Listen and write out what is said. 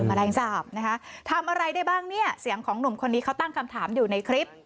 แมลงสาปนะคะทำอะไรได้บ้างเนี่ยเสียงของหนุ่มคนนี้เขาตั้งคำถามอยู่ในคลิป